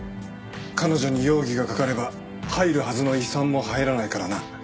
彼女に容疑がかかれば入るはずの遺産も入らないからな。